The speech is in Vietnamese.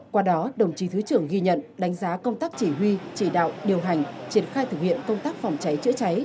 qua đó đồng chí thứ trưởng ghi nhận đánh giá công tác chỉ huy chỉ đạo điều hành triển khai thực hiện công tác phòng cháy chữa cháy